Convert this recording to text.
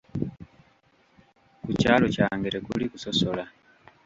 Ku kyalo kyange tekuli kusosola.